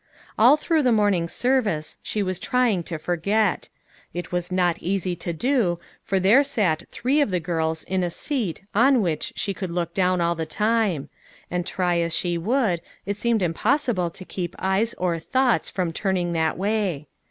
All through the morning service she was try ing to forget. It was not easy to do, for there sat three of the girls in a seat on which she could look down all the time; and try as she would, it seemed impossible to keep eyes or thoughts from turning that way.